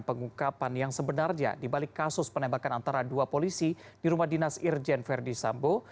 pengungkapan yang sebenarnya dibalik kasus penembakan antara dua polisi di rumah dinas irjen verdi sambo